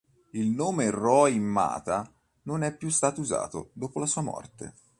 Il nome Roi Mata non è più stato usato dopo la sua morte.